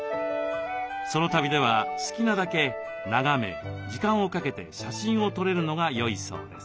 ソロ旅では好きなだけ眺め時間をかけて写真を撮れるのがよいそうです。